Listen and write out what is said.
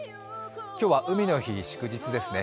今日は海の日、祝日ですね。